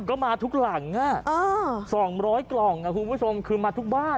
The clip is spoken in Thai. ก็มาทุกหลังสองร้อยกล่องคือมาทุกบ้าน